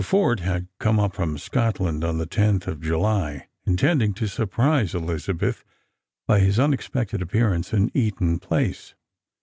Fordk had come np from Scotland on the tenth of July, intending to surprise Elizabeth by his nnexpected appearance in Eaton place.